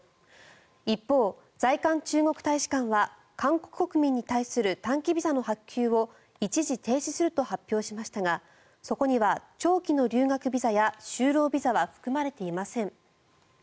一方、在韓中国大使館は韓国国民に対する短期ビザの発給を一時停止すると発表しましたがそこには長期の留学ビザや就労ビザは含まれていません。